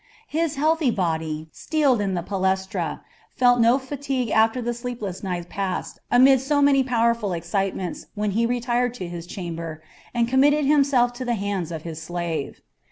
His healthy body, steeled in the palaestra, felt no fatigue after the sleepless night passed amid so many powerful excitements when he retired to his chamber and committed himself to the hands of his slave.